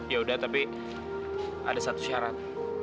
yaudah tapi ada satu syarat